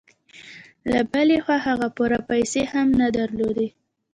له بلې خوا هغه پوره پيسې هم نه درلودې.